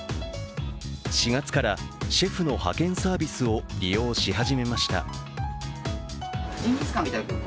４月からシェフの派遣サービスを利用し始めました。